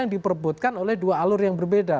yang diperbutkan oleh dua alur yang berbeda